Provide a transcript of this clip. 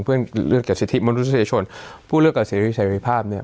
เรื่องเกี่ยวกับสิทธิมนุษยชนพูดเรื่องเกี่ยวกับสิทธิภาพเนี่ย